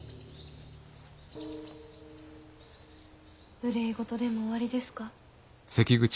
憂い事でもおありですか？